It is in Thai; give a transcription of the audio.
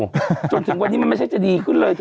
อยู่จนถึงวันนี้มันเป็นแชร์จะดีขึ้นเลยเธอ